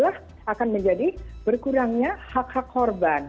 akan menjadi berkurangnya hak hak korban